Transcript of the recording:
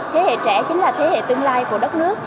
thế hệ trẻ chính là thế hệ tương lai của đất nước